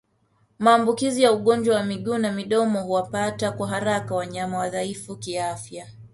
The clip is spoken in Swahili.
Maambukizi ya ugonjwa wa miguu na midomo huwapata kwa haraka wanyama wadhaifu kiafya